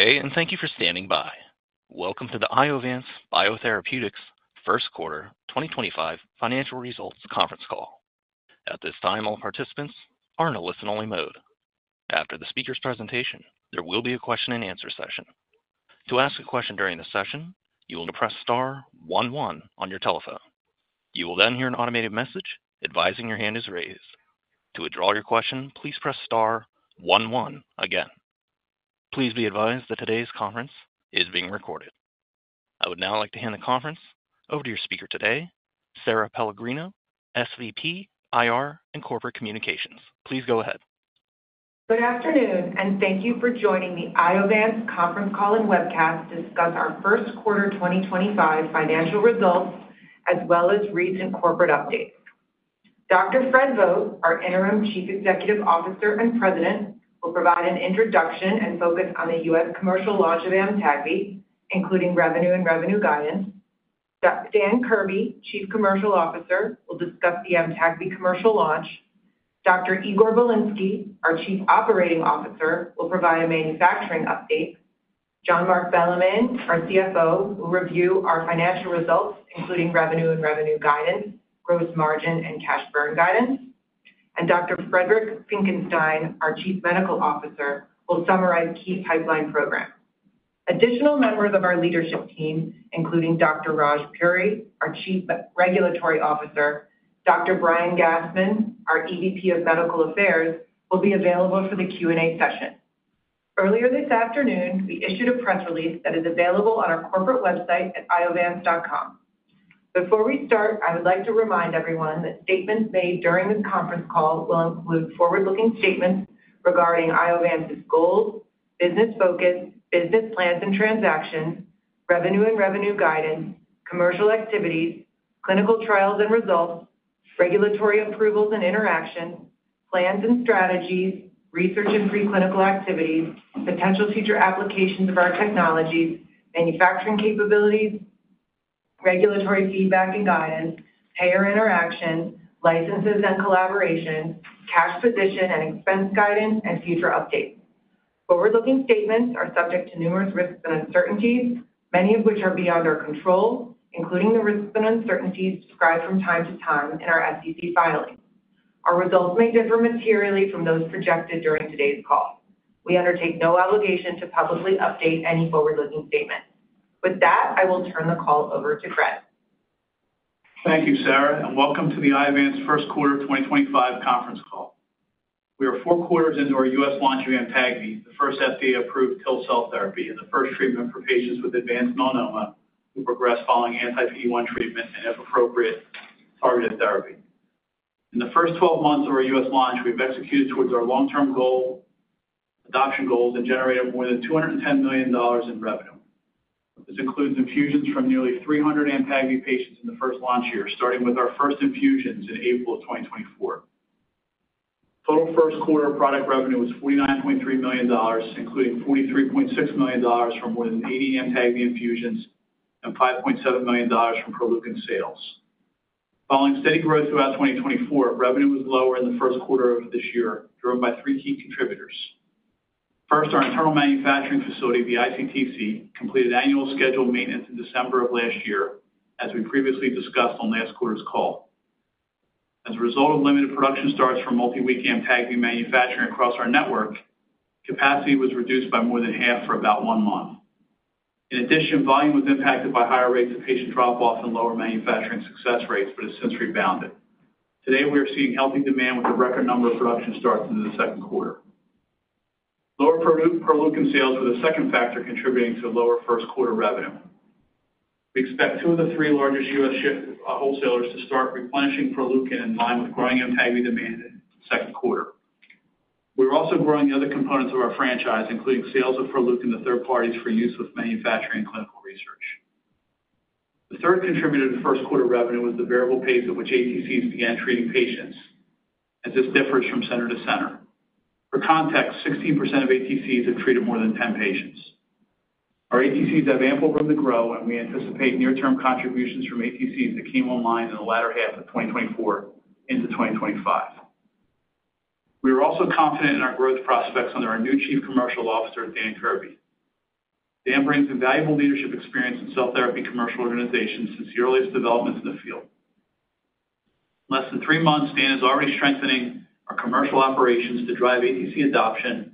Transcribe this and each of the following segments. Today, and thank you for standing by. Welcome to the Iovance Biotherapeutics First Quarter 2025 Financial Results Conference Call. At this time, all participants are in a listen-only mode. After the speaker's presentation, there will be a question and answer session. To ask a question during the session, you will press star one one on your telephone. You will then hear an automated message advising your hand is raised. To withdraw your question, please press star one one again. Please be advised that today's conference is being recorded. I would now like to hand the conference over to your speaker today, Sara Pellegrino, SVP, IR and Corporate Communications. Please go ahead. Good afternoon, and thank you for joining the Iovance Conference Call and Webcast to discuss our first quarter 2025 financial results as well as recent corporate updates. Dr. Fred Vogt, our Interim Chief Executive Officer and President, will provide an introduction and focus on the U.S. commercial launch of AMTAGVI, including revenue and revenue guidance. Dan Kirby, Chief Commercial Officer, will discuss the AMTAGVI commercial launch. Dr. Igor Bilinsky, our Chief Operating Officer, will provide a manufacturing update. Jean-Marc Bellemin, our CFO, will review our financial results, including revenue and revenue guidance, gross margin, and cash burn guidance. Dr. Friedrich Finckenstein, our Chief Medical Officer, will summarize key pipeline programs. Additional members of our leadership team, including Dr. Raj Puri, our Chief Regulatory Officer, and Dr. Brian Gastman, our EVP of Medical Affairs, will be available for the Q&A session. Earlier this afternoon, we issued a press release that is available on our corporate website at iovance.com. Before we start, I would like to remind everyone that statements made during this conference call will include forward-looking statements regarding Iovance's goals, business focus, business plans and transactions, revenue and revenue guidance, commercial activities, clinical trials and results, regulatory approvals and interactions, plans and strategies, research and preclinical activities, potential future applications of our technologies, manufacturing capabilities, regulatory feedback and guidance, payer interactions, licenses and collaboration, cash position and expense guidance, and future updates. Forward-looking statements are subject to numerous risks and uncertainties, many of which are beyond our control, including the risks and uncertainties described from time to time in our SEC filings. Our results may differ materially from those projected during today's call. We undertake no obligation to publicly update any forward-looking statements. With that, I will turn the call over to Fred. Thank you, Sara, and welcome to the Iovance First Quarter 2025 Conference Call. We are four quarters into our U.S. launch of AMTAGVI, the first FDA-approved TIL cell therapy and the first treatment for patients with advanced melanoma who progress following Anti-PD-1 treatment and, if appropriate, targeted therapy. In the first 12 months of our U.S. launch, we've executed towards our long-term adoption goals and generated more than $210 million in revenue. This includes infusions from nearly 300 AMTAGVI patients in the first launch year, starting with our first infusions in April of 2024. Total first quarter product revenue was $49.3 million, including $43.6 million from more than 80 AMTAGVI infusions and $5.7 million from Proleukin sales. Following steady growth throughout 2024, revenue was lower in the first quarter of this year, driven by three key contributors. First, our internal manufacturing facility, the ICTC, completed annual scheduled maintenance in December of last year, as we previously discussed on last quarter's call. As a result of limited production starts for multi-week AMTAGVI manufacturing across our network, capacity was reduced by more than half for about one month. In addition, volume was impacted by higher rates of patient drop-off and lower manufacturing success rates, but has since rebounded. Today, we are seeing healthy demand with a record number of production starts into the second quarter. Lower Proleukin sales were the second factor contributing to lower first quarter revenue. We expect two of the three largest U.S. ship wholesalers to start replenishing Proleukin in line with growing AMTAGVI demand in the second quarter. We are also growing other components of our franchise, including sales of Proleukin to third parties for use with manufacturing and clinical research. The third contributor to first quarter revenue was the variable pace at which ATCs began treating patients, as this differs from center to center. For context, 16% of ATCs have treated more than 10 patients. Our ATCs have ample room to grow, and we anticipate near-term contributions from ATCs that came online in the latter half of 2024 into 2025. We are also confident in our growth prospects under our new Chief Commercial Officer, Dan Kirby. Dan brings invaluable leadership experience in cell therapy commercial organizations since the earliest developments in the field. In less than three months, Dan is already strengthening our commercial operations to drive ATC adoption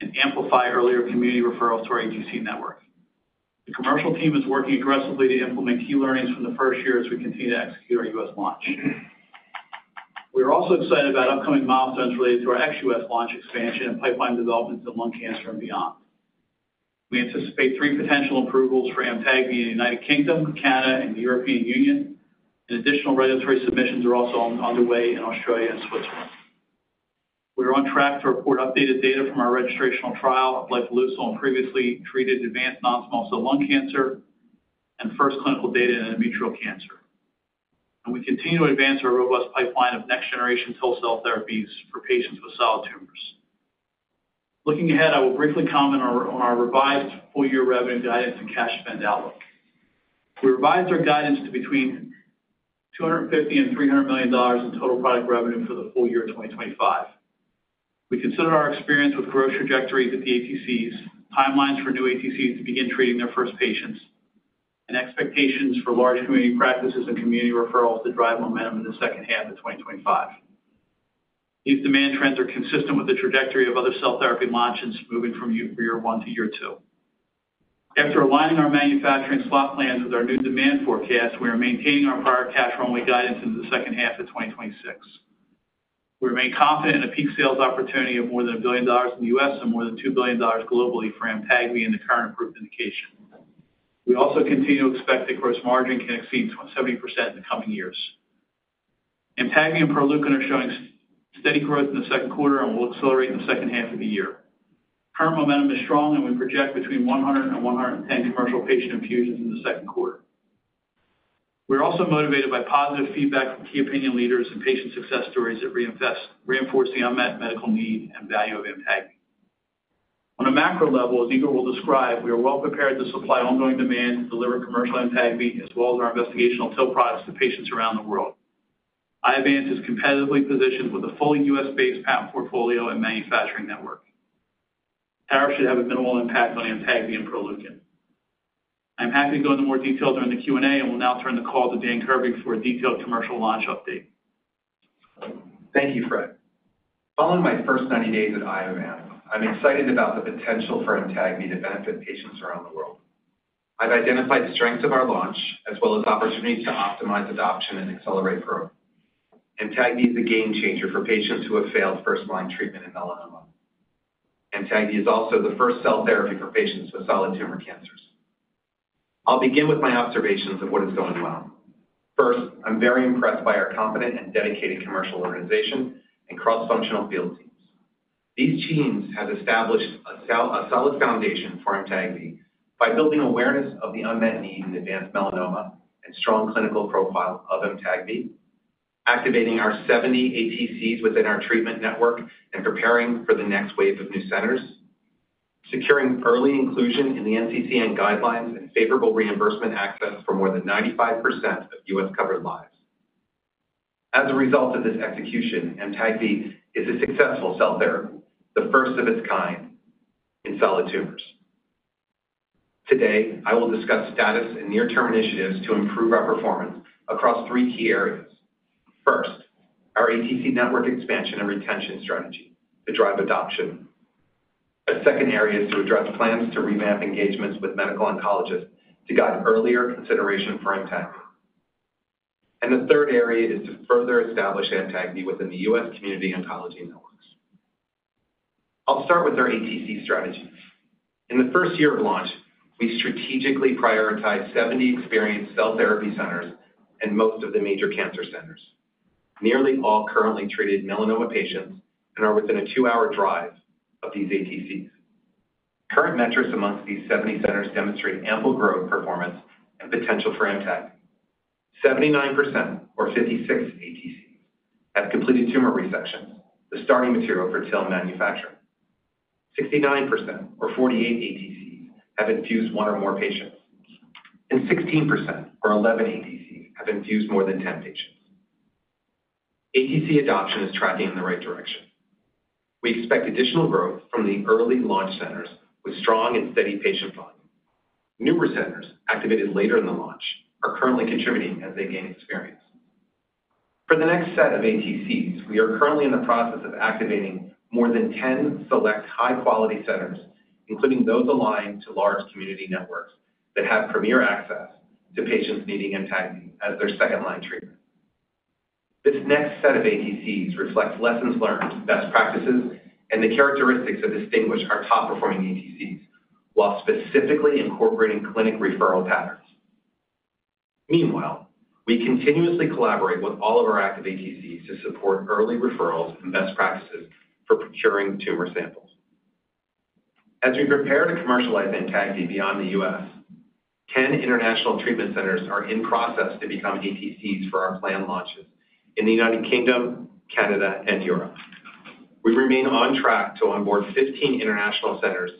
and amplify earlier community referrals to our ATC network. The commercial team is working aggressively to implement key learnings from the first year as we continue to execute our U.S. launch. We are also excited about upcoming milestones related to our ex-U.S. launch expansion and pipeline developments in lung cancer and beyond. We anticipate three potential approvals for AMTAGVI in the U.K., Canada, and the European Union. Additional regulatory submissions are also underway in Australia and Switzerland. We are on track to report updated data from our registrational trial of lifileucel in previously treated advanced non-small cell lung cancer and first clinical data in endometrial cancer. We continue to advance our robust pipeline of next-generation TIL cell therapies for patients with solid tumors. Looking ahead, I will briefly comment on our revised full-year revenue guidance and cash spend outlook. We revised our guidance to between $250 million and $300 million in total product revenue for the full year of 2025. We considered our experience with growth trajectories at the ATCs, timelines for new ATCs to begin treating their first patients, and expectations for large community practices and community referrals to drive momentum in the second half of 2025. These demand trends are consistent with the trajectory of other cell therapy launches moving from year one to year two. After aligning our manufacturing slot plans with our new demand forecast, we are maintaining our prior cash-only guidance into the second half of 2026. We remain confident in a peak sales opportunity of more than $1 billion in the U.S. and more than $2 billion globally for AMTAGVI in the current approved indication. We also continue to expect that gross margin can exceed 70% in the coming years. AMTAGVI and Proleukin are showing steady growth in the second quarter and will accelerate in the second half of the year. Current momentum is strong, and we project between 100 and 110 commercial patient infusions in the second quarter. We are also motivated by positive feedback from key opinion leaders and patient success stories that reinforce the unmet medical need and value of AMTAGVI. On a macro level, as Igor will describe, we are well prepared to supply ongoing demand to deliver commercial AMTAGVI as well as our investigational TIL products to patients around the world. Iovance is competitively positioned with a fully U.S.-based patent portfolio and manufacturing network. Tariffs should have a minimal impact on AMTAGVI and Proleukin. I'm happy to go into more detail during the Q&A and will now turn the call to Dan Kirby for a detailed commercial launch update. Thank you, Fred. Following my first 90 days at Iovance, I'm excited about the potential for AMTAGVI to benefit patients around the world. I've identified strengths of our launch as well as opportunities to optimize adoption and accelerate growth. AMTAGVI is a game changer for patients who have failed first-line treatment in melanoma. AMTAGVI is also the first cell therapy for patients with solid tumor cancers. I'll begin with my observations of what is going well. First, I'm very impressed by our competent and dedicated commercial organization and cross-functional field teams. These teams have established a solid foundation for AMTAGVI by building awareness of the unmet need in advanced melanoma and strong clinical profile of AMTAGVI, activating our 70 ATCs within our treatment network and preparing for the next wave of new centers, securing early inclusion in the NCCN guidelines and favorable reimbursement access for more than 95% of U.S. covered lives. As a result of this execution, AMTAGVI is a successful cell therapy, the first of its kind in solid tumors. Today, I will discuss status and near-term initiatives to improve our performance across three key areas. First, our ATC network expansion and retention strategy to drive adoption. A second area is to address plans to revamp engagements with medical oncologists to guide earlier consideration for AMTAGVI. The third area is to further establish AMTAGVI within the U.S. community oncology networks. I'll start with our ATC strategy. In the first year of launch, we strategically prioritized 70 experienced cell therapy centers and most of the major cancer centers. Nearly all currently treated melanoma patients are within a two-hour drive of these ATCs. Current metrics amongst these 70 centers demonstrate ample growth performance and potential for AMTAGVI. 79%, or 56 ATCs, have completed tumor resections, the starting material for TIL manufacturing. 69%, or 48 ATCs, have infused one or more patients. 16%, or 11 ATCs, have infused more than 10 patients. ATC adoption is tracking in the right direction. We expect additional growth from the early launch centers with strong and steady patient volume. Newer centers activated later in the launch are currently contributing as they gain experience. For the next set of ATCs, we are currently in the process of activating more than 10 select high-quality centers, including those aligned to large community networks that have premier access to patients needing AMTAGVI as their second-line treatment. This next set of ATCs reflects lessons learned, best practices, and the characteristics that distinguish our top-performing ATCs while specifically incorporating clinic referral patterns. Meanwhile, we continuously collaborate with all of our active ATCs to support early referrals and best practices for procuring tumor samples. As we prepare to commercialize AMTAGVI beyond the U.S., 10 international treatment centers are in process to become ATCs for our planned launches in the United Kingdom, Canada, and Europe. We remain on track to onboard 15 international centers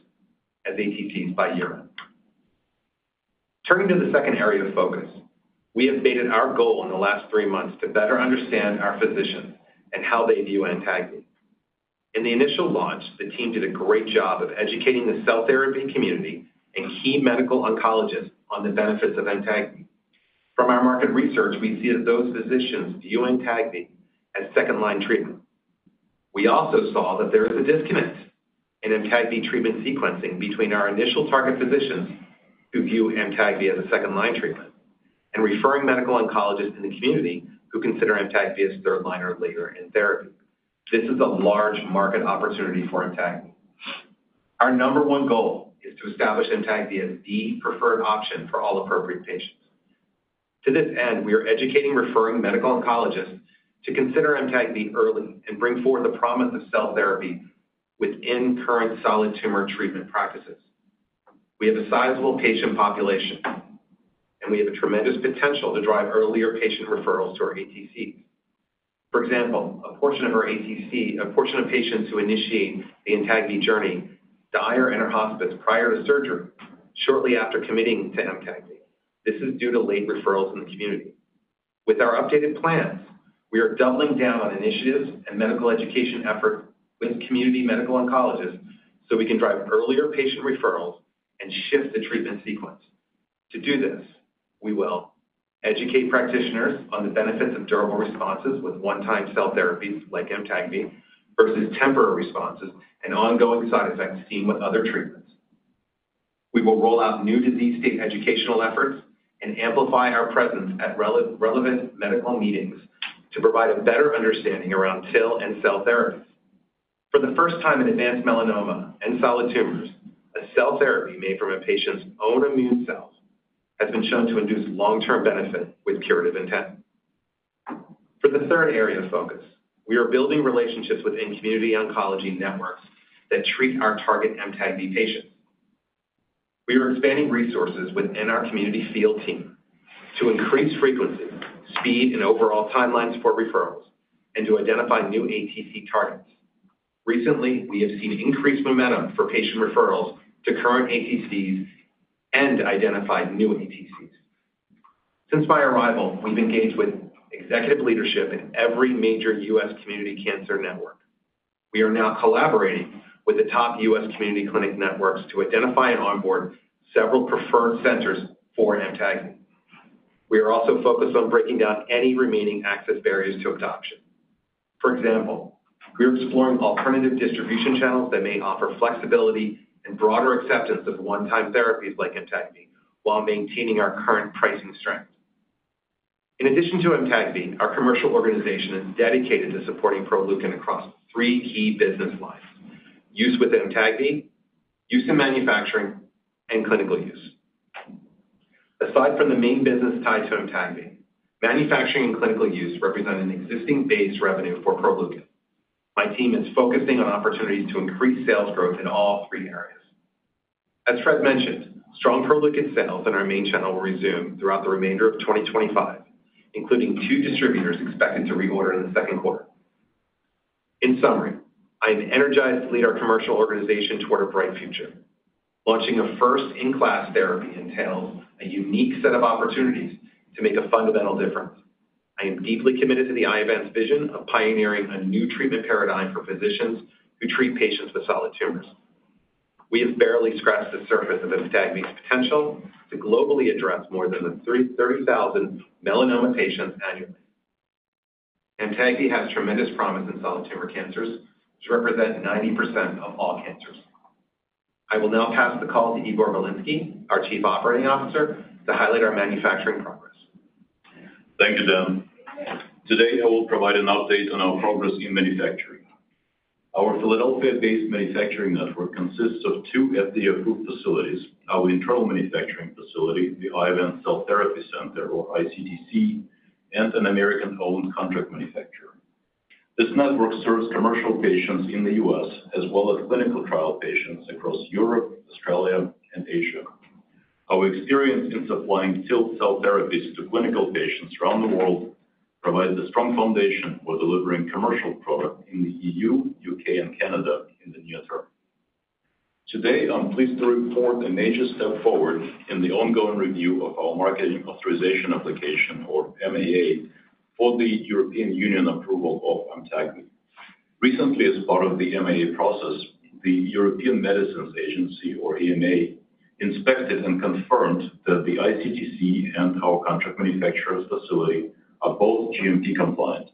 as ATCs by Europe. Turning to the second area of focus, we have made it our goal in the last three months to better understand our physicians and how they view AMTAGVI. In the initial launch, the team did a great job of educating the cell therapy community and key medical oncologists on the benefits of AMTAGVI. From our market research, we see that those physicians view AMTAGVI as second-line treatment. We also saw that there is a disconnect in AMTAGVI treatment sequencing between our initial target physicians who view AMTAGVI as a second-line treatment and referring medical oncologists in the community who consider AMTAGVI as third-line or later in therapy. This is a large market opportunity for AMTAGVI. Our number one goal is to establish AMTAGVI as the preferred option for all appropriate patients. To this end, we are educating referring medical oncologists to consider AMTAGVI early and bring forward the promise of cell therapy within current solid tumor treatment practices. We have a sizable patient population, and we have a tremendous potential to drive earlier patient referrals to our ATCs. For example, a portion of our ATC, a portion of patients who initiate the AMTAGVI journey, die or enter hospice prior to surgery shortly after committing to AMTAGVI. This is due to late referrals in the community. With our updated plans, we are doubling down on initiatives and medical education efforts with community medical oncologists so we can drive earlier patient referrals and shift the treatment sequence. To do this, we will educate practitioners on the benefits of durable responses with one-time cell therapies like AMTAGVI versus temporary responses and ongoing side effects seen with other treatments. We will roll out new disease state educational efforts and amplify our presence at relevant medical meetings to provide a better understanding around TIL and cell therapies. For the first time in advanced melanoma and solid tumors, a cell therapy made from a patient's own immune cell has been shown to induce long-term benefit with curative intent. For the third area of focus, we are building relationships within community oncology networks that treat our target AMTAGVI patients. We are expanding resources within our community field team to increase frequency, speed, and overall timelines for referrals and to identify new ATC targets. Recently, we have seen increased momentum for patient referrals to current ATCs and identified new ATCs. Since my arrival, we've engaged with executive leadership in every major U.S. community cancer network. We are now collaborating with the top U.S. Community clinic networks to identify and onboard several preferred centers for AMTAGVI. We are also focused on breaking down any remaining access barriers to adoption. For example, we are exploring alternative distribution channels that may offer flexibility and broader acceptance of one-time therapies like AMTAGVI while maintaining our current pricing strength. In addition to AMTAGVI, our commercial organization is dedicated to supporting Proleukin across three key business lines: use with AMTAGVI, use in manufacturing, and clinical use. Aside from the main business tied to AMTAGVI, manufacturing and clinical use represent an existing base revenue for Proleukin. My team is focusing on opportunities to increase sales growth in all three areas. As Fred mentioned, strong Proleukin sales in our main channel will resume throughout the remainder of 2025, including two distributors expected to reorder in the second quarter. In summary, I am energized to lead our commercial organization toward a bright future. Launching a first-in-class therapy entails a unique set of opportunities to make a fundamental difference. I am deeply committed to the Iovance vision of pioneering a new treatment paradigm for physicians who treat patients with solid tumors. We have barely scratched the surface of AMTAGVI's potential to globally address more than 30,000 melanoma patients annually. AMTAGVI has tremendous promise in solid tumor cancers, which represent 90% of all cancers. I will now pass the call to Igor Bilinsky, our Chief Operating Officer, to highlight our manufacturing progress. Thank you, Dan. Today, I will provide an update on our progress in manufacturing. Our Philadelphia-based manufacturing network consists of two FDA-approved facilities, our internal manufacturing facility, the Iovance Cell Therapy Center, or ICTC, and an American-owned contract manufacturer. This network serves commercial patients in the U.S. as well as clinical trial patients across Europe, Australia, and Asia. Our experience in supplying TIL cell therapies to clinical patients around the world provides a strong foundation for delivering commercial product in the EU, U.K., and Canada in the near term. Today, I'm pleased to report a major step forward in the ongoing review of our marketing authorization application, or MAA, for the European Union approval of AMTAGVI. Recently, as part of the MAA process, the European Medicines Agency, or EMA, inspected and confirmed that the ICTC and our contract manufacturer's facility are both GMP compliant.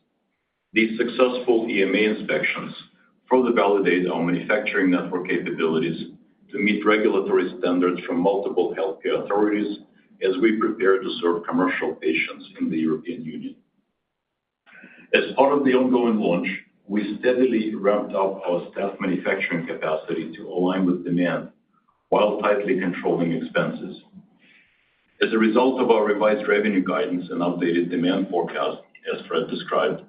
These successful EMA inspections further validate our manufacturing network capabilities to meet regulatory standards from multiple healthcare authorities as we prepare to serve commercial patients in the European Union. As part of the ongoing launch, we steadily ramped up our staff manufacturing capacity to align with demand while tightly controlling expenses. As a result of our revised revenue guidance and updated demand forecast, as Fred described,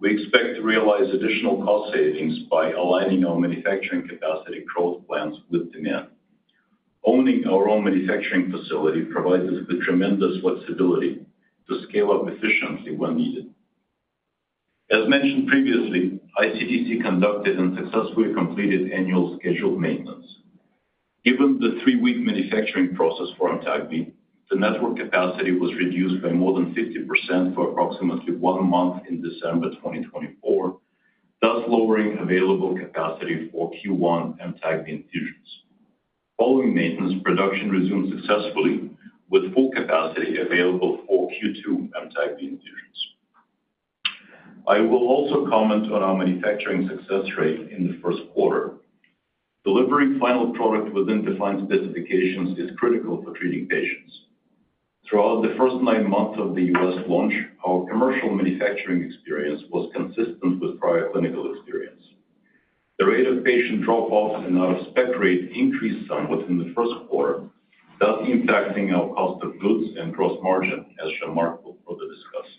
we expect to realize additional cost savings by aligning our manufacturing capacity growth plans with demand. Owning our own manufacturing facility provides us with tremendous flexibility to scale up efficiently when needed. As mentioned previously, ICTC conducted and successfully completed annual scheduled maintenance. Given the three-week manufacturing process for AMTAGVI, the network capacity was reduced by more than 50% for approximately one month in December 2024, thus lowering available capacity for Q1 AMTAGVI infusions. Following maintenance, production resumed successfully with full capacity available for Q2 AMTAGVI infusions. I will also comment on our manufacturing success rate in the first quarter. Delivering final product within defined specifications is critical for treating patients. Throughout the first nine months of the U.S. launch, our commercial manufacturing experience was consistent with prior clinical experience. The rate of patient drop-offs and out-of-spec rate increased somewhat in the first quarter, thus impacting our cost of goods and gross margin, as Jean-Marc will further discuss.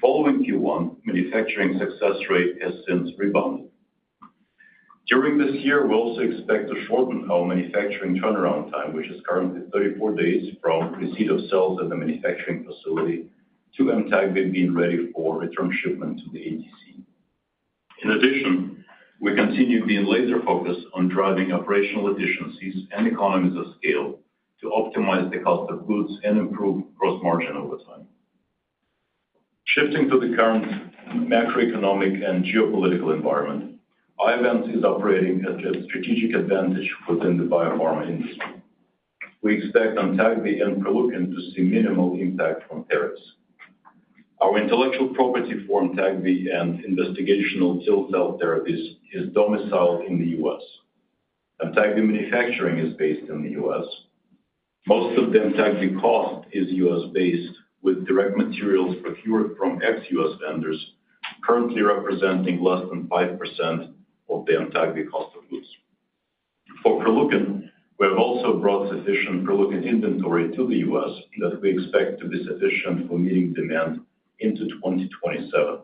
Following Q1, manufacturing success rate has since rebounded. During this year, we also expect to shorten our manufacturing turnaround time, which is currently 34 days from receipt of cells at the manufacturing facility to AMTAGVI being ready for return shipment to the ATC. In addition, we continue being laser focused on driving operational efficiencies and economies of scale to optimize the cost of goods and improve gross margin over time. Shifting to the current macroeconomic and geopolitical environment, Iovance is operating as a strategic advantage within the biopharma industry. We expect AMTAGVI and Proleukin to see minimal impact from tariffs. Our intellectual property for AMTAGVI and investigational TIL cell therapies is domiciled in the U.S. AMTAGVI manufacturing is based in the U.S. Most of the AMTAGVI cost is U.S. based, with direct materials procured from ex-U.S. vendors currently representing less than 5% of the AMTAGVI cost of goods. For Proleukin, we have also brought sufficient Proleukin inventory to the U.S. that we expect to be sufficient for meeting demand into 2027.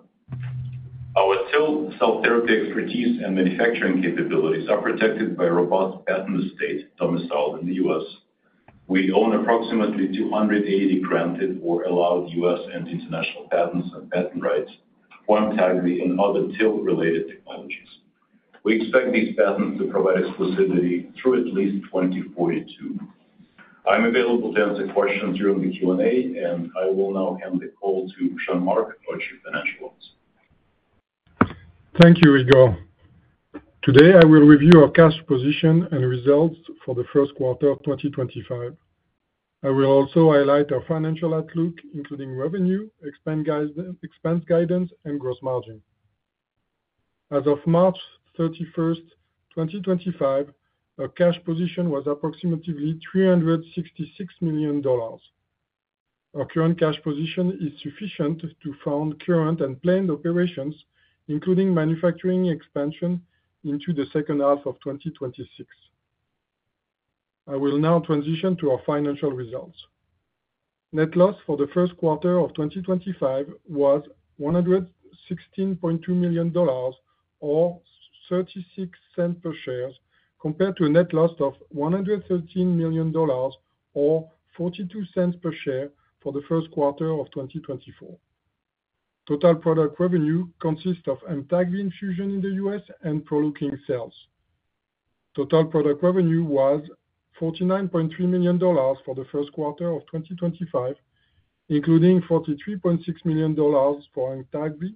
Our TIL cell therapy expertise and manufacturing capabilities are protected by robust patent estate domiciled in the U.S. We own approximately 280 granted or allowed U.S. and international patents and patent rights for AMTAGVI and other TIL-related technologies. We expect these patents to provide exclusivity through at least 2042. I'm available to answer questions during the Q&A, and I will now hand the call to Jean-Marc, our Chief Financial Officer. Thank you, Igor. Today, I will review our cash position and results for the first quarter of 2025. I will also highlight our financial outlook, including revenue, expense guidance, and gross margin. As of March 31, 2025, our cash position was approximately $366 million. Our current cash position is sufficient to fund current and planned operations, including manufacturing expansion into the second half of 2026. I will now transition to our financial results. Net loss for the first quarter of 2025 was $116.2 million, or $0.36 per share, compared to a net loss of $113 million, or $0.42 per share for the first quarter of 2024. Total product revenue consists of AMTAGVI infusion in the U.S. and Proleukin sales. Total product revenue was $49.3 million for the first quarter of 2025, including $43.6 million for AMTAGVI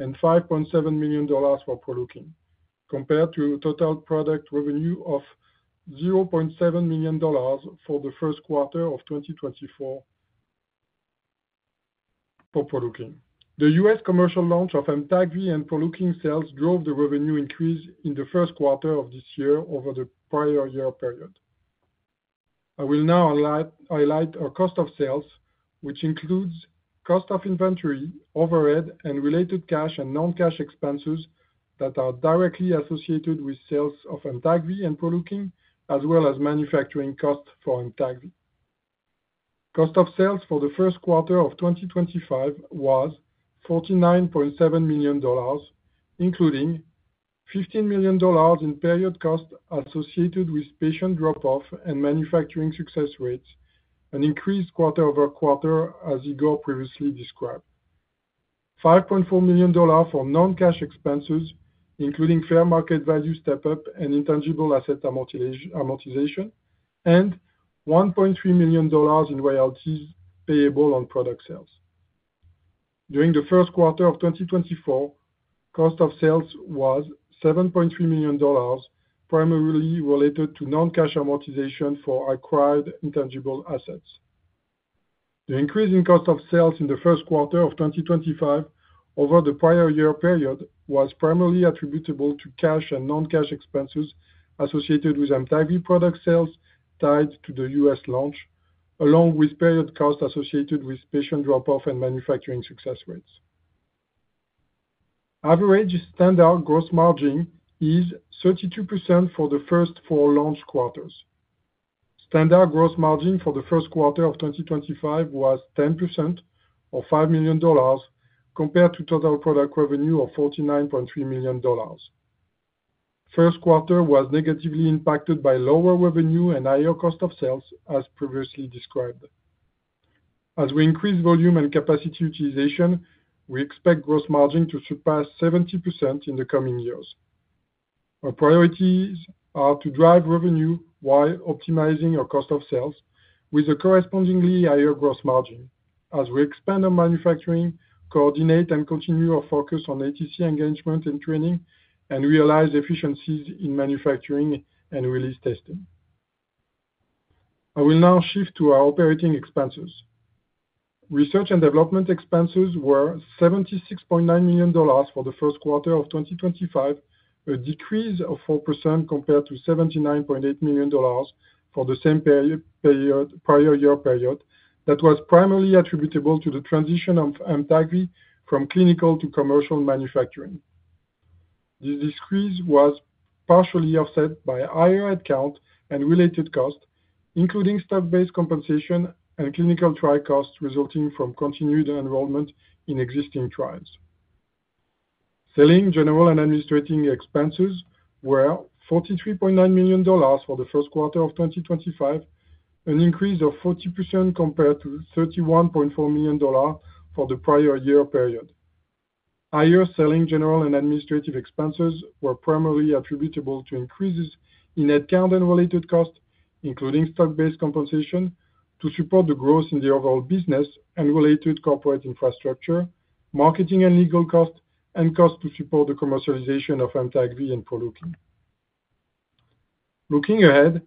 and $5.7 million for Proleukin, compared to total product revenue of $0.7 million for the first quarter of 2024 for Proleukin. The U.S. commercial launch of AMTAGVI and Proleukin sales drove the revenue increase in the first quarter of this year over the prior year period. I will now highlight our cost of sales, which includes cost of inventory, overhead, and related cash and non-cash expenses that are directly associated with sales of AMTAGVI and Proleukin, as well as manufacturing costs for AMTAGVI. Cost of sales for the first quarter of 2025 was $49.7 million, including $15 million in period costs associated with patient drop-off and manufacturing success rates, an increase quarter-over-quarter, as Igor previously described. $5.4 million for non-cash expenses, including fair market value step-up and intangible asset amortization, and $1.3 million in royalties payable on product sales. During the first quarter of 2024, cost of sales was $7.3 million, primarily related to non-cash amortization for acquired intangible assets. The increase in cost of sales in the first quarter of 2025 over the prior year period was primarily attributable to cash and non-cash expenses associated with AMTAGVI product sales tied to the U.S. launch, along with period costs associated with patient drop-off and manufacturing success rates. Average standard gross margin is 32% for the first four launch quarters. Standard gross margin for the first quarter of 2025 was 10%, or $5 million, compared to total product revenue of $49.3 million. First quarter was negatively impacted by lower revenue and higher cost of sales, as previously described. As we increase volume and capacity utilization, we expect gross margin to surpass 70% in the coming years. Our priorities are to drive revenue while optimizing our cost of sales with a correspondingly higher gross margin, as we expand our manufacturing, coordinate, and continue our focus on ATC engagement and training, and realize efficiencies in manufacturing and release testing. I will now shift to our operating expenses. Research and development expenses were $76.9 million for the first quarter of 2025, a decrease of 4% compared to $79.8 million for the same period prior year period that was primarily attributable to the transition of AMTAGVI from clinical to commercial manufacturing. This decrease was partially offset by higher headcount and related costs, including staff-based compensation and clinical trial costs resulting from continued enrollment in existing trials. Selling general and administrative expenses were $43.9 million for the first quarter of 2025, an increase of 40% compared to $31.4 million for the prior year period. Higher selling general and administrative expenses were primarily attributable to increases in headcount and related costs, including staff-based compensation to support the growth in the overall business and related corporate infrastructure, marketing and legal costs, and costs to support the commercialization of AMTAGVI and Proleukin. Looking ahead,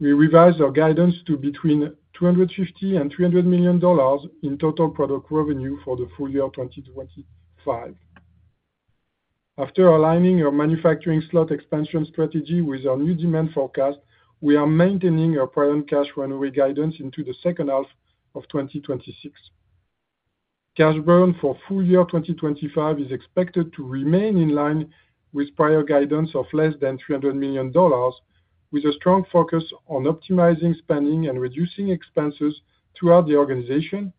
we revised our guidance to between $250 million and $300 million in total product revenue for the full year 2025. After aligning our manufacturing slot expansion strategy with our new demand forecast, we are maintaining our prior cash runway guidance into the second half of 2026. Cash burn for full year 2025 is expected to remain in line with prior guidance of less than $300 million, with a strong focus on optimizing spending and reducing expenses throughout the organization,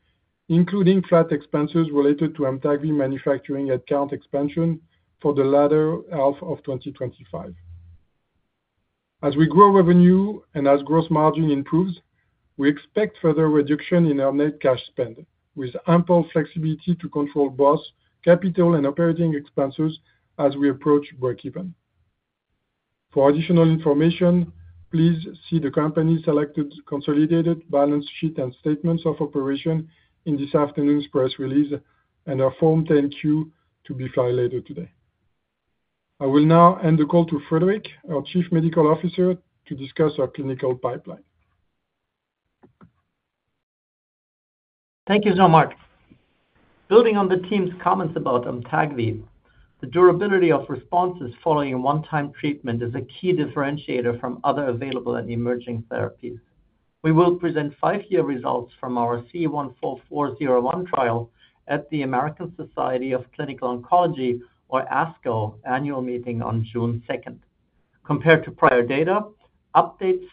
including flat expenses related to AMTAGVI manufacturing headcount expansion for the latter half of 2025. As we grow revenue and as gross margin improves, we expect further reduction in our net cash spend, with ample flexibility to control both capital and operating expenses as we approach breakeven. For additional information, please see the company's selected consolidated balance sheet and statements of operation in this afternoon's press release and our Form 10-Q to be filed later today. I will now end the call to Friedrich, our Chief Medical Officer, to discuss our clinical pipeline. Thank you, Jean-Marc. Building on the team's comments about AMTAGVI, the durability of responses following one-time treatment is a key differentiator from other available and emerging therapies. We will present five-year results from our C-144-01 trial at the American Society of Clinical Oncology, or ASCO, annual meeting on June 2. Compared to prior data updates,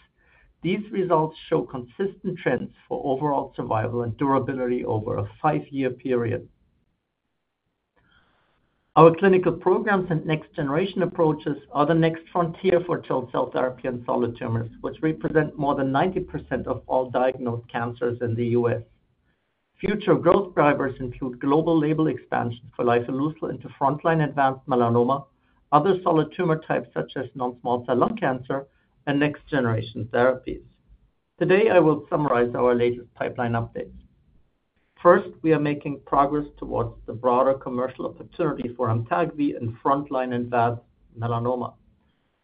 these results show consistent trends for overall survival and durability over a five-year period. Our clinical programs and next-generation approaches are the next frontier for TIL cell therapy and solid tumors, which represent more than 90% of all diagnosed cancers in the U.S. Future growth drivers include global label expansion for lifileucel into frontline advanced melanoma, other solid tumor types such as non-small cell lung cancer, and next-generation therapies. Today, I will summarize our latest pipeline updates. First, we are making progress towards the broader commercial opportunity for AMTAGVI and frontline advanced melanoma.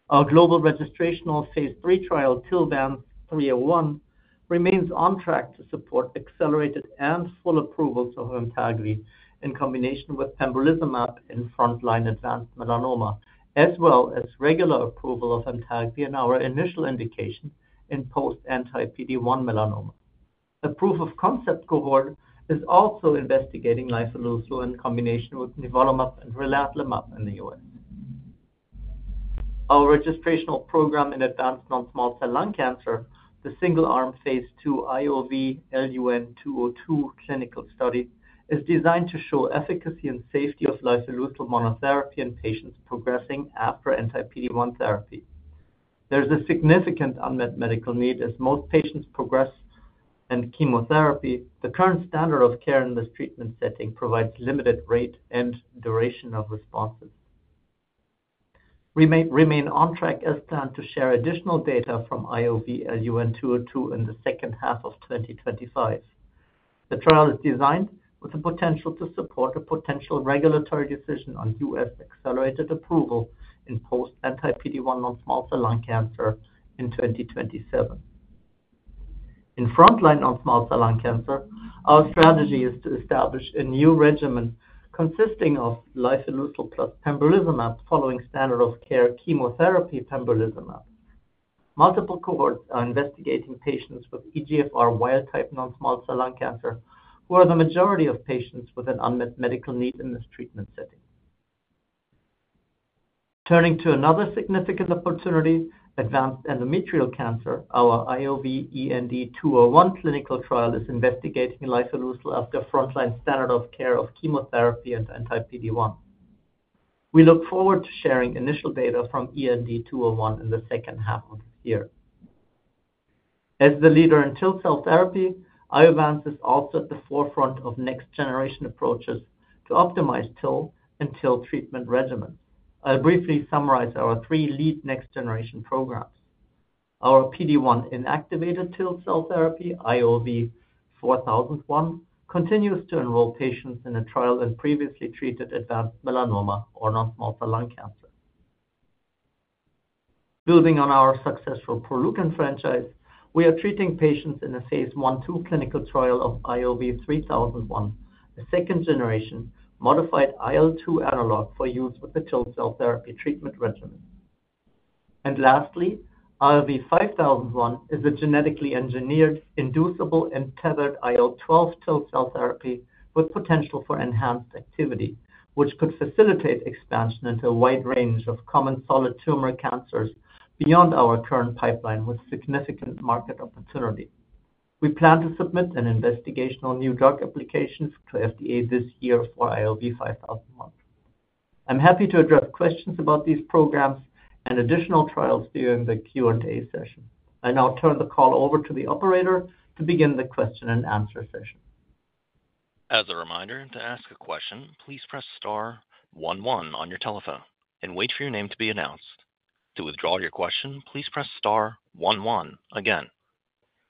Our global registrational phase III trial, TILVANCE-301, remains on track to support accelerated and full approvals of AMTAGVI in combination with pembrolizumab in frontline advanced melanoma, as well as regular approval of AMTAGVI in our initial indication in post-Anti-PD-1 melanoma. A proof of concept cohort is also investigating lifileucel in combination with nivolumab and relatlimab in the U.S. Our registrational program in advanced non-small cell lung cancer, the single-arm phase II IOV-LUN-202 clinical study, is designed to show efficacy and safety of lifileucel monotherapy in patients progressing after Anti-PD-1 therapy. There is a significant unmet medical need as most patients progress and chemotherapy. The current standard of care in this treatment setting provides limited rate and duration of responses. We remain on track as planned to share additional data from IOV-LUN-202 in the second half of 2025. The trial is designed with the potential to support a potential regulatory decision on U.S. accelerated approval in post-Anti-PD-1 non-small cell lung cancer in 2027. In frontline non-small cell lung cancer, our strategy is to establish a new regimen consisting of lifileucel plus pembrolizumab following standard of care chemotherapy pembrolizumab. Multiple cohorts are investigating patients with EGFR wild-type non-small cell lung cancer, who are the majority of patients with an unmet medical need in this treatment setting. Turning to another significant opportunity, advanced endometrial cancer, our IOV-END-201 clinical trial is investigating lifileucel as the frontline standard of care of chemotherapy and Anti-PD-1. We look forward to sharing initial data from END-201 in the second half of this year. As the leader in TIL cell therapy, Iovance is also at the forefront of next-generation approaches to optimize TIL and TIL treatment regimens. I'll briefly summarize our three lead next-generation programs. Our PD-1 inactivated TIL cell therapy, IOV-4001, continues to enroll patients in a trial in previously treated advanced melanoma or non-small cell lung cancer. Building on our successful Proleukin franchise, we are treating patients in a phase I-II clinical trial of IOV-3001, a second-generation modified IL-2 analog for use with the TIL cell therapy treatment regimen. Lastly, IOV-5001 is a genetically engineered, inducible, and tethered IL-12 TIL cell therapy with potential for enhanced activity, which could facilitate expansion into a wide range of common solid tumor cancers beyond our current pipeline with significant market opportunity. We plan to submit an investigational new drug application to FDA this year for IOV-5001. I'm happy to address questions about these programs and additional trials during the Q&A session. I now turn the call over to the operator to begin the question and answer session. As a reminder, to ask a question, please press star one one on your telephone and wait for your name to be announced. To withdraw your question, please press star one one again.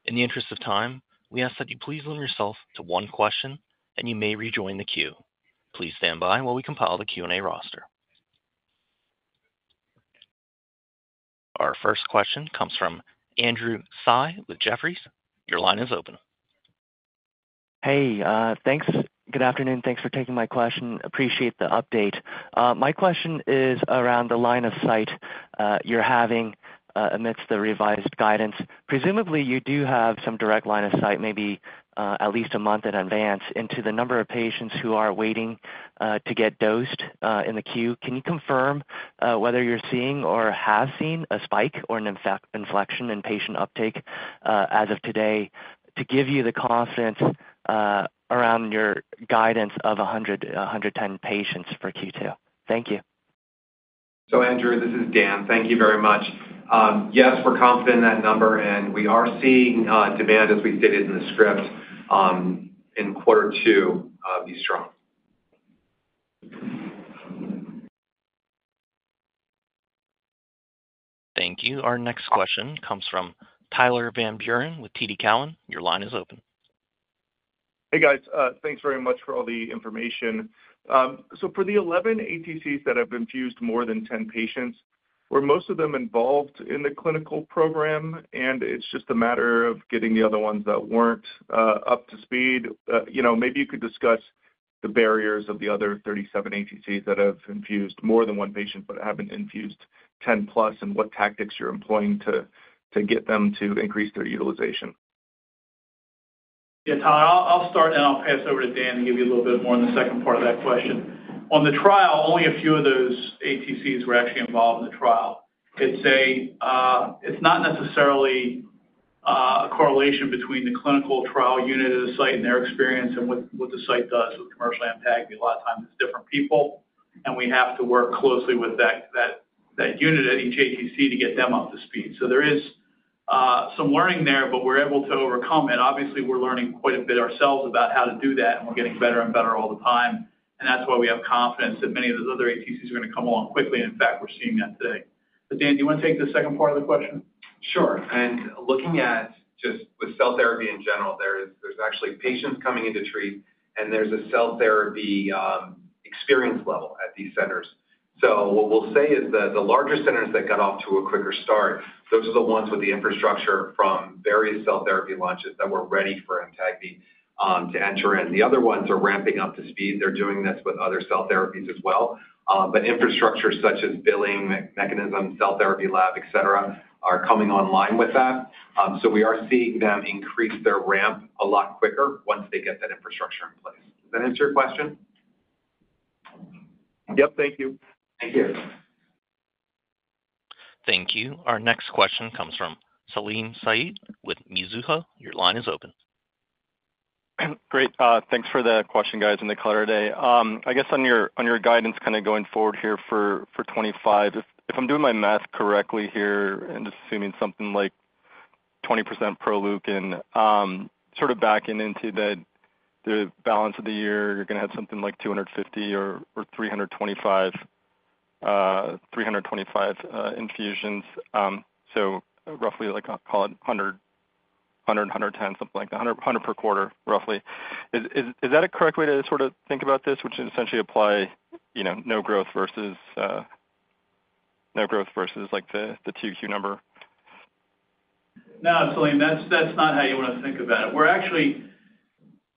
In the interest of time, we ask that you please limit yourself to one question, and you may rejoin the queue. Please stand by while we compile the Q&A roster. Our first question comes from Andrew Tsai with Jefferies. Your line is open. Hey, thanks. Good afternoon. Thanks for taking my question. Appreciate the update. My question is around the line of sight you're having amidst the revised guidance. Presumably, you do have some direct line of sight, maybe at least a month in advance, into the number of patients who are waiting to get dosed in the queue. Can you confirm whether you're seeing or have seen a spike or an inflection in patient uptake as of today to give you the confidence around your guidance of 110 patients for Q2? Thank you. Andrew, this is Dan. Thank you very much. Yes, we're confident in that number, and we are seeing demand, as we stated in the script, in quarter two be strong. Thank you. Our next question comes from Tyler Van Buren with TD Cowen. Your line is open. Hey, guys. Thanks very much for all the information. For the 11 ATCs that have infused more than 10 patients, were most of them involved in the clinical program? It's just a matter of getting the other ones that were not up to speed. Maybe you could discuss the barriers of the other 37 ATCs that have infused more than one patient but have not infused 10 plus, and what tactics you are employing to get them to increase their utilization. Yeah, Tyler, I'll start, and I'll pass over to Dan to give you a little bit more in the second part of that question. On the trial, only a few of those ATCs were actually involved in the trial. It's not necessarily a correlation between the clinical trial unit at a site and their experience and what the site does with commercial AMTAGVI. A lot of times, it's different people, and we have to work closely with that unit at each ATC to get them up to speed. There is some learning there, but we're able to overcome it. Obviously, we're learning quite a bit ourselves about how to do that, and we're getting better and better all the time. That is why we have confidence that many of those other ATCs are going to come along quickly. In fact, we're seeing that today. Dan, do you want to take the second part of the question? Sure. Looking at just with cell therapy in general, there are actually patients coming in to treat, and there is a cell therapy experience level at these centers. What we will say is that the larger centers that got off to a quicker start are the ones with the infrastructure from various cell therapy launches that were ready for AMTAGVI to enter in. The other ones are ramping up to speed. They are doing this with other cell therapies as well. Infrastructure such as billing mechanism, cell therapy lab, etc., are coming online with that. We are seeing them increase their ramp a lot quicker once they get that infrastructure in place. Does that answer your question? Yep, thank you. Thank you. Thank you. Our next question comes from Celine Said with Mizuho. Your line is open. Great. Thanks for the question, guys, and the clarifying. I guess on your guidance kind of going forward here for 2025, if I'm doing my math correctly here, and assuming something like 20% Proleukin, sort of backing into the balance of the year, you're going to have something like 250 or 325 infusions. So roughly, I'll call it 100, 110, something like that, 100 per quarter, roughly. Is that a correct way to sort of think about this, which is essentially apply no growth versus no growth versus the 2Q number? No, Celine, that's not how you want to think about it.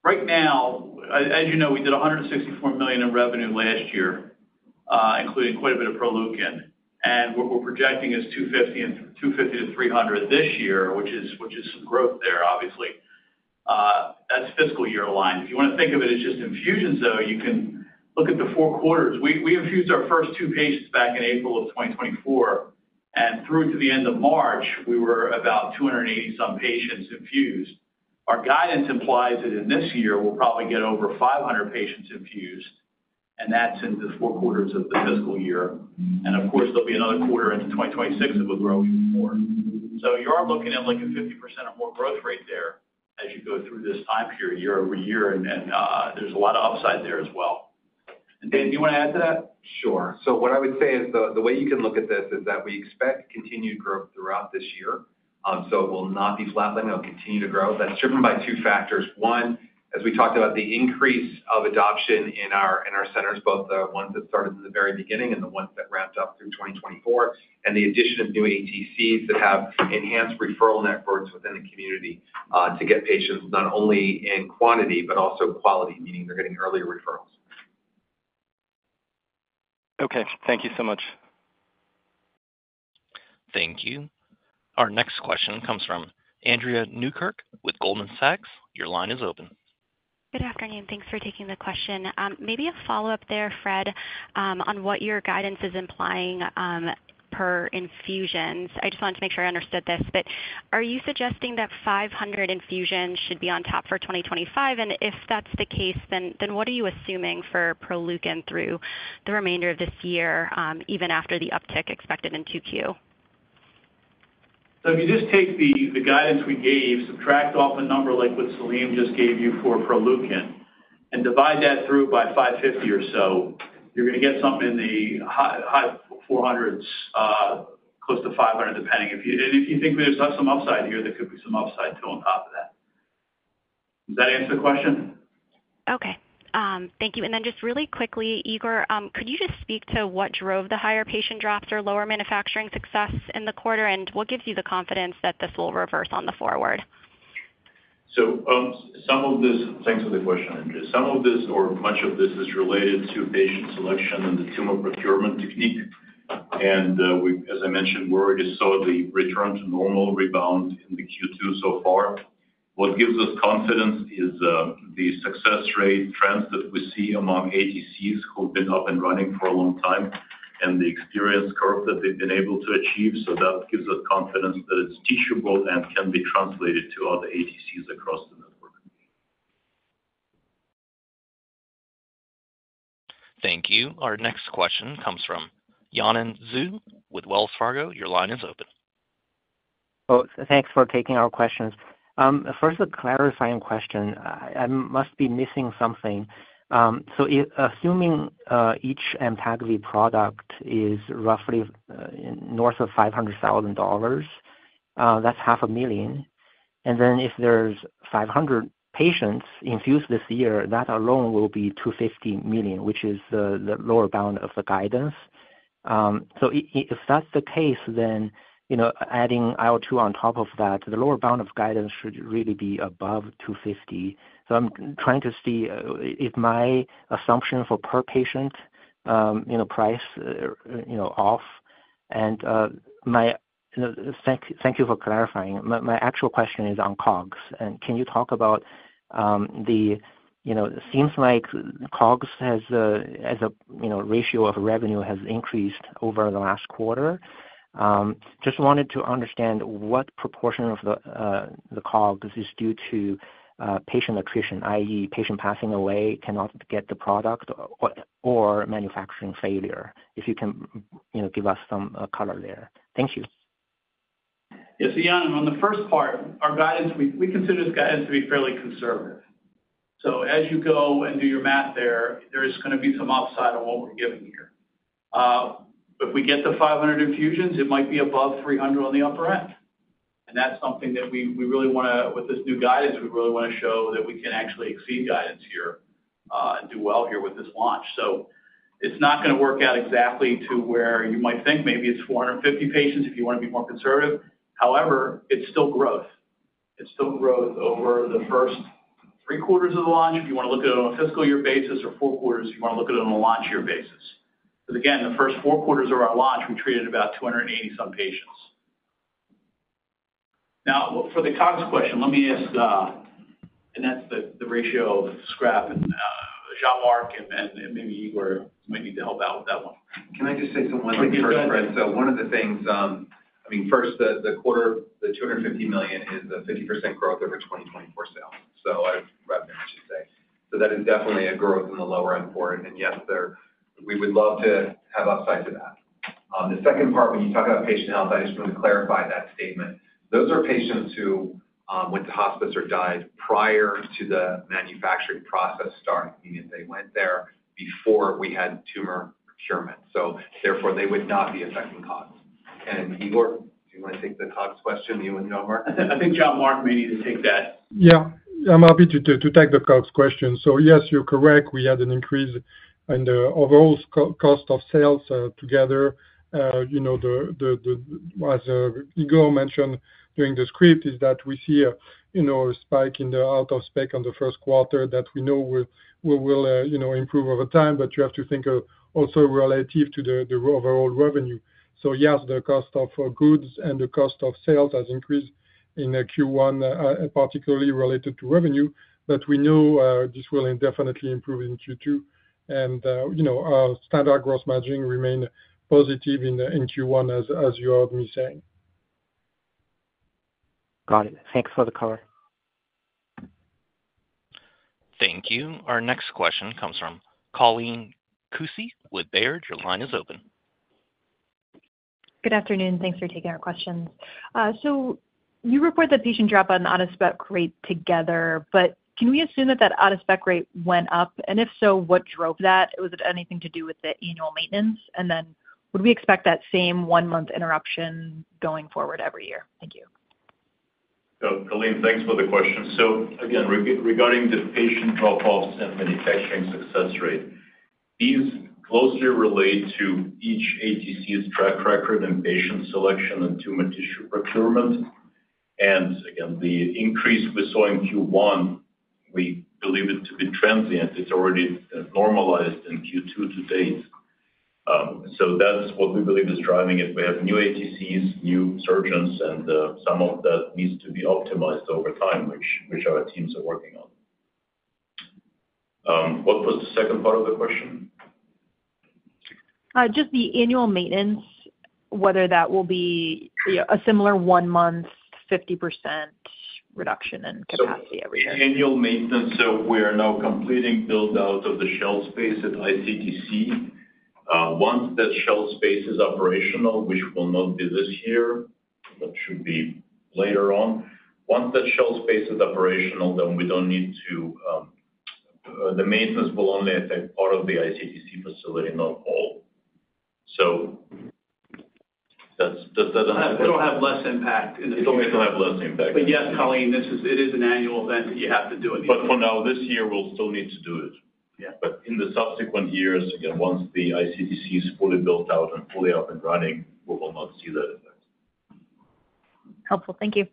Right now, as you know, we did $164 million in revenue last year, including quite a bit of Proleukin. What we're projecting is $250 million-$300 million this year, which is some growth there, obviously. That's fiscal year aligned. If you want to think of it as just infusions, though, you can look at the four quarters. We infused our first two patients back in April of 2024, and through to the end of March, we were about 280 some patients infused. Our guidance implies that in this year, we'll probably get over 500 patients infused, and that's into the four quarters of the fiscal year. Of course, there'll be another quarter into 2026 that we'll grow even more. You are looking at like a 50% or more growth rate there as you go through this time period year over year, and there's a lot of upside there as well. Dan, do you want to add to that? Sure. What I would say is the way you can look at this is that we expect continued growth throughout this year. It will not be flatlining. It'll continue to grow. That's driven by two factors. One, as we talked about, the increase of adoption in our centers, both the ones that started in the very beginning and the ones that ramped up through 2024, and the addition of new ATCs that have enhanced referral networks within the community to get patients not only in quantity but also quality, meaning they're getting earlier referrals. Okay. Thank you so much. Thank you. Our next question comes from Andrea Newkirk with Goldman Sachs. Your line is open. Good afternoon. Thanks for taking the question. Maybe a follow-up there, Fred, on what your guidance is implying per infusions. I just wanted to make sure I understood this. Are you suggesting that 500 infusions should be on top for 2025? If that's the case, then what are you assuming for Proleukin through the remainder of this year, even after the uptick expected in 2Q? If you just take the guidance we gave, subtract off a number like what Celine just gave you for Proleukin, and divide that through by 550 or so, you're going to get something in the high 400s, close to 500, depending. If you think there's some upside here, there could be some upside too on top of that. Does that answer the question? Okay. Thank you. And then just really quickly, Igor, could you just speak to what drove the higher patient drops or lower manufacturing success in the quarter, and what gives you the confidence that this will reverse on the forward? Thanks for the question, Andrea. Some of this, or much of this, is related to patient selection and the tumor procurement technique. As I mentioned, we already saw the return to normal rebound in the Q2 so far. What gives us confidence is the success rate trends that we see among ATCs who have been up and running for a long time and the experience curve that they have been able to achieve. That gives us confidence that it is teachable and can be translated to other ATCs across the network. Thank you. Our next question comes from Yanan Zhu with Wells Fargo. Your line is open. Oh, thanks for taking our questions. First, a clarifying question. I must be missing something. Assuming each AMTAGVI product is roughly north of $500,000, that's $500,000. If there are 500 patients infused this year, that alone will be $250 million, which is the lower bound of the guidance. If that's the case, then adding IL-2 on top of that, the lower bound of guidance should really be above $250 million. I'm trying to see if my assumption for per patient price is off. Thank you for clarifying. My actual question is on COGS. Can you talk about the—it seems like COGS, as a ratio of revenue, has increased over the last quarter. I just wanted to understand what proportion of the COGS is due to patient attrition, i.e., patient passing away, cannot get the product, or manufacturing failure. If you can give us some color there. Thank you. Yeah. Yonan, on the first part, our guidance, we consider this guidance to be fairly conservative. As you go and do your math there, there's going to be some upside on what we're giving here. If we get the 500 infusions, it might be above 300 on the upper end. That is something that we really want to—with this new guidance, we really want to show that we can actually exceed guidance here and do well here with this launch. It is not going to work out exactly to where you might think maybe it is 450 patients if you want to be more conservative. However, it is still growth. It is still growth over the first three quarters of the launch. If you want to look at it on a fiscal year basis or four quarters, you want to look at it on a launch year basis. Because again, the first four quarters of our launch, we treated about 280-some patients. Now, for the COGS question, let me ask—and that's the ratio of scrap and Jean-Marc and maybe Igor might need to help out with that one. Can I just say something? Thank you, Fred. One of the things—I mean, first, the quarter, the $250 million is a 50% growth over 2024 sales. I'd rather say that is definitely a growth in the lower end for it. Yes, we would love to have upside to that. The second part, when you talk about patient health, I just want to clarify that statement. Those are patients who went to hospice or died prior to the manufacturing process starting, meaning they went there before we had tumor procurement. Therefore, they would not be affecting COGS. Igor, do you want to take the COGS question, you and Jean-Marc? I think Jean-Marc may need to take that. Yeah. I'm happy to take the COGS question. Yes, you're correct. We had an increase in the overall cost of sales together. As Igor mentioned during the script, we see a spike in the out-of-spec on the first quarter that we know will improve over time, but you have to think also relative to the overall revenue. Yes, the cost of goods and the cost of sales has increased in Q1, particularly related to revenue, but we know this will definitely improve in Q2. Our standard gross margin remained positive in Q1, as you heard me saying. Got it. Thanks for the cover. Thank you. Our next question comes from Colleen Kusy with Baird. Your line is open. Good afternoon. Thanks for taking our questions. You report the patient drop on the out-of-spec rate together, but can we assume that that out-of-spec rate went up? If so, what drove that? Was it anything to do with the annual maintenance? Would we expect that same one-month interruption going forward every year? Thank you. Colleen, thanks for the question. Again, regarding the patient drop-offs and manufacturing success rate, these closely relate to each ATC's track record in patient selection and tumor tissue procurement. Again, the increase we saw in Q1, we believe it to be transient. It has already normalized in Q2 to date. That is what we believe is driving it. We have new ATCs, new surgeons, and some of that needs to be optimized over time, which our teams are working on. What was the second part of the question? Just the annual maintenance, whether that will be a similar one-month 50% reduction in capacity every year. The annual maintenance, we are now completing build-out of the shell space at ICTC. Once that shell space is operational, which will not be this year, that should be later on. Once that shell space is operational, we do not need to—the maintenance will only affect part of the ICTC facility, not all. Does that answer the question? It will have less impact in the future. It will have less impact. Yes, Colleen, it is an annual event that you have to do anyway. For now, this year, we will still need to do it. In the subsequent years, once the ICTC is fully built out and fully up and running, we will not see that effect. Helpful. Thank you.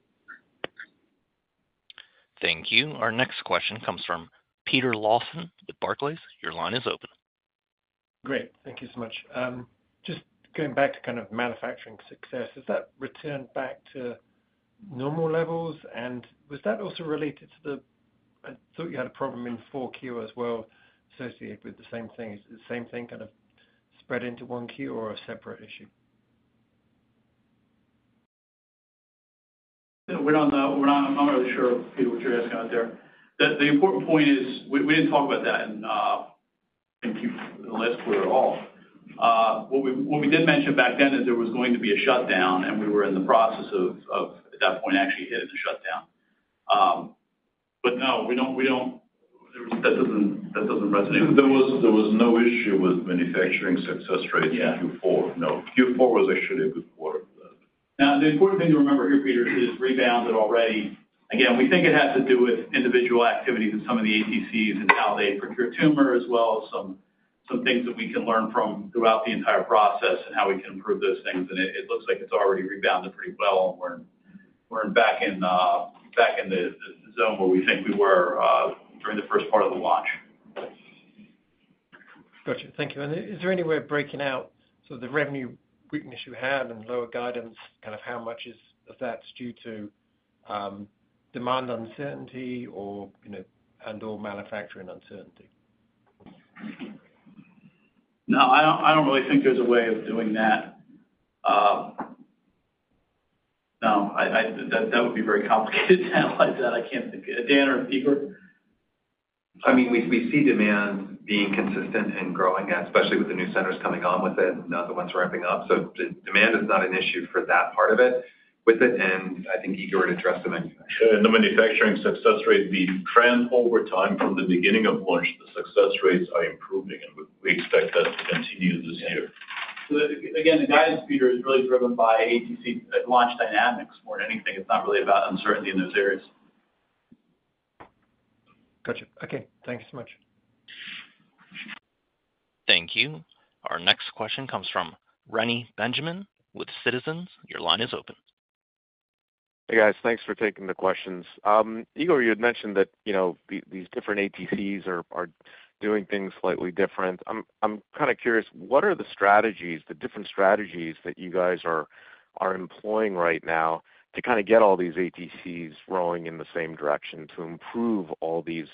Thank you. Our next question comes from Peter Lawson with Barclays. Your line is open. Great. Thank you so much. Just going back to kind of manufacturing success, has that returned back to normal levels? Was that also related to the—I thought you had a problem in Q4 as well associated with the same thing. Is it the same thing kind of spread into Q1 or a separate issue? I'm not really sure, Peter, what you're asking out there. The important point is we didn't talk about that in Q4 or Q3 at all. What we did mention back then is there was going to be a shutdown, and we were in the process of, at that point, actually hitting the shutdown. No, we don't That doesn't resonate. There was no issue with manufacturing success rate in Q4. No. Q4 was actually a good quarter. The important thing to remember here, Peter, is it has rebounded already. Again, we think it has to do with individual activities in some of the ATCs and how they procure tumor, as well as some things that we can learn from throughout the entire process and how we can improve those things. It looks like it's already rebounded pretty well. We're back in the zone where we think we were during the first part of the launch. Gotcha. Thank you. Is there any way of breaking out sort of the revenue weakness you had and lower guidance, kind of how much of that's due to demand uncertainty and/or manufacturing uncertainty? No, I don't really think there's a way of doing that. No, that would be very complicated to analyze that. I can't think of it. Dan or Igor? I mean, we see demand being consistent and growing, especially with the new centers coming on with it and other ones ramping up. Demand is not an issue for that part of it with it. I think Igor would address the manufacturing. The manufacturing success rate, the trend over time from the beginning of launch, the success rates are improving, and we expect that to continue this year. Again, the guidance, Peter, is really driven by ATC launch dynamics more than anything. It is not really about uncertainty in those areas. Gotcha. Okay. Thank you so much. Thank you. Our next question comes from Reni Benjamin with Citizens. Your line is open. Hey, guys. Thanks for taking the questions. Igor, you had mentioned that these different ATCs are doing things slightly different. I'm kind of curious, what are the strategies, the different strategies that you guys are employing right now to kind of get all these ATCs rowing in the same direction to improve all these,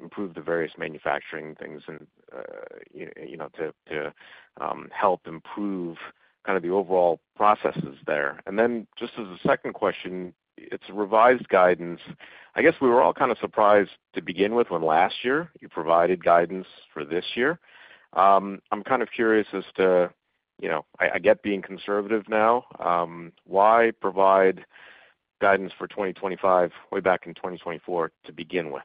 improve the various manufacturing things and to help improve kind of the overall processes there? Just as a second question, it's revised guidance. I guess we were all kind of surprised to begin with when last year you provided guidance for this year. I'm kind of curious as to, I get being conservative now, why provide guidance for 2025 way back in 2024 to begin with?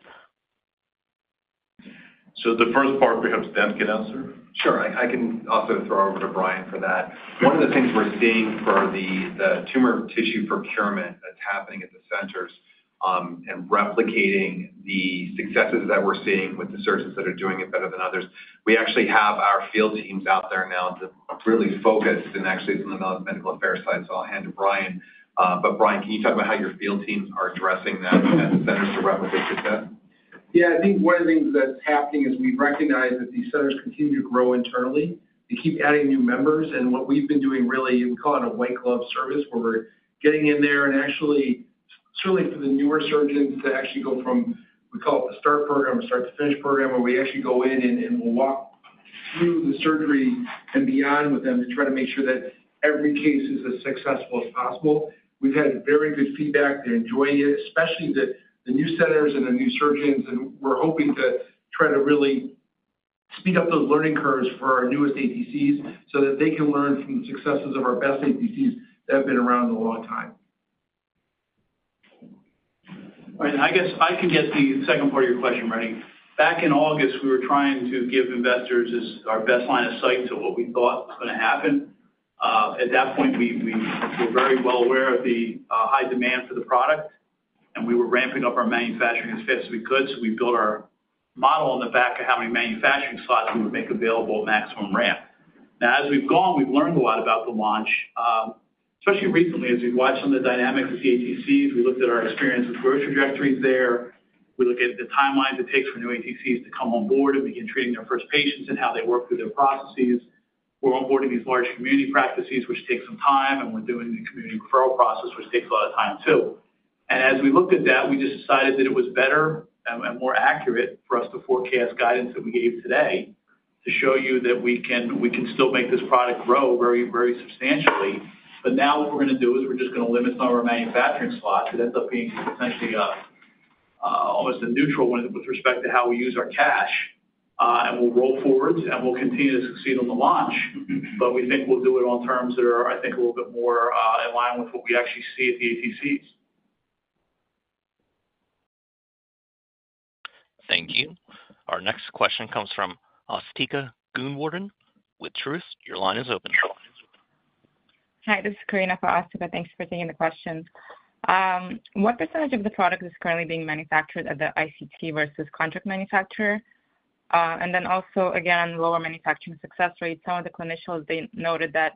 The first part, perhaps Dan can answer? Sure. I can also throw over to Brian for that. One of the things we're seeing for the tumor tissue procurement that's happening at the centers and replicating the successes that we're seeing with the surgeons that are doing it better than others, we actually have our field teams out there now to really focus and actually from the medical affairs side. I'll hand it to Brian. Brian, can you talk about how your field teams are addressing that at the centers to replicate success? Yeah. I think one of the things that's happening is we recognize that these centers continue to grow internally. They keep adding new members. What we've been doing really, we call it a white glove service where we're getting in there and actually certainly for the newer surgeons to actually go from, we call it the start program or start-to-finish program, where we actually go in and we'll walk through the surgery and beyond with them to try to make sure that every case is as successful as possible. We've had very good feedback. They're enjoying it, especially the new centers and the new surgeons. We are hoping to try to really speed up those learning curves for our newest ATCs so that they can learn from the successes of our best ATCs that have been around a long time. I mean, I guess I can get the second part of your question ready. Back in August, we were trying to give investors our best line of sight to what we thought was going to happen. At that point, we were very well aware of the high demand for the product, and we were ramping up our manufacturing as fast as we could. We built our model on the back of how many manufacturing slots we would make available at maximum ramp. Now, as we've gone, we've learned a lot about the launch, especially recently as we've watched some of the dynamics with the ATCs. We looked at our experience with growth trajectories there. We look at the timeline it takes for new ATCs to come on board and begin treating their first patients and how they work through their processes. We're onboarding these large community practices, which takes some time, and we're doing the community referral process, which takes a lot of time too. As we looked at that, we just decided that it was better and more accurate for us to forecast guidance that we gave today to show you that we can still make this product grow very substantially. Now what we're going to do is we're just going to limit some of our manufacturing slots. It ends up being potentially almost a neutral one with respect to how we use our cash. We'll roll forwards, and we'll continue to succeed on the launch. We think we'll do it on terms that are, I think, a little bit more in line with what we actually see at the ATCs. Thank you. Our next question comes from Austeka Gunworden with Truist. Your line is open. Hi. This is Corina from Austeka. Thanks for taking the question. What percentage of the product is currently being manufactured at the ICTC versus contract manufacturer? Also, again, on the lower manufacturing success rate, some of the clinicians, they noted that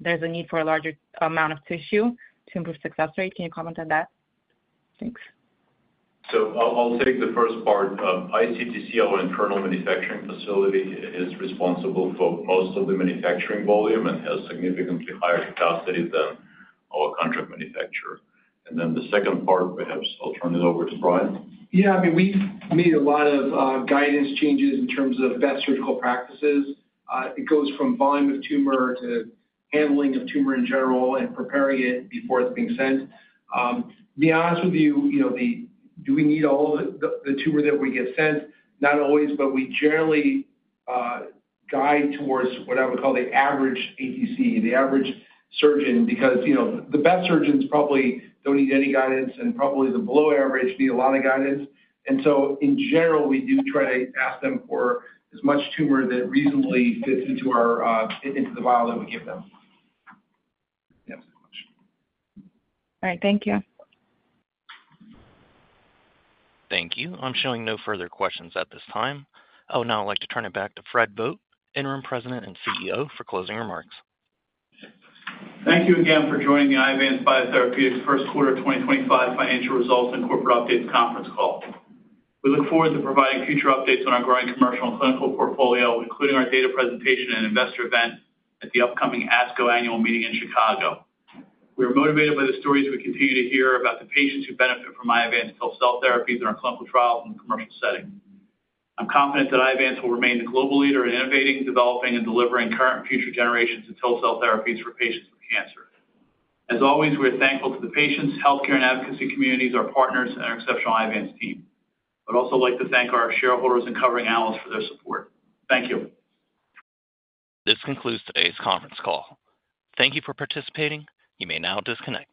there is a need for a larger amount of tissue to improve success rate. Can you comment on that? Thanks. I'll take the first part. ICTC, our internal manufacturing facility, is responsible for most of the manufacturing volume and has significantly higher capacity than our contract manufacturer. The second part, perhaps I'll turn it over to Brian. Yeah. I mean, we've made a lot of guidance changes in terms of best surgical practices. It goes from volume of tumor to handling of tumor in general and preparing it before it's being sent. To be honest with you, do we need all of the tumor that we get sent? Not always, but we generally guide towards what I would call the average ATC, the average surgeon, because the best surgeons probably don't need any guidance and probably the below average need a lot of guidance. In general, we do try to ask them for as much tumor that reasonably fits into the vial that we give them. All right. Thank you. Thank you. I'm showing no further questions at this time. Now I'd like to turn it back to Fred Vogt, interim President and CEO, for closing remarks. Thank you again for joining the Iovance Biotherapeutics' first quarter 2025 financial results and corporate updates conference call. We look forward to providing future updates on our growing commercial and clinical portfolio, including our data presentation and investor event at the upcoming ASCO annual meeting in Chicago. We are motivated by the stories we continue to hear about the patients who benefit from Iovance TIL therapies in our clinical trials in the commercial setting. I'm confident that Iovance will remain the global leader in innovating, developing, and delivering current and future generations of TIL therapies for patients with cancer. As always, we are thankful to the patients, healthcare and advocacy communities, our partners, and our exceptional Iovance team. I'd also like to thank our shareholders and covering analysts for their support. Thank you. This concludes today's conference call. Thank you for participating. You may now disconnect.